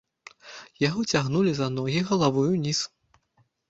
Яго цягнулі за ногі галавой уніз.